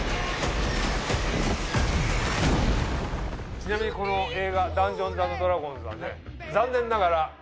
ちなみにこの映画『ダンジョンズ＆ドラゴンズ』はね。